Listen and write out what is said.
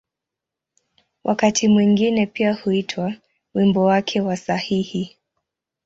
Wakati mwingine pia huitwa ‘’wimbo wake wa sahihi’’.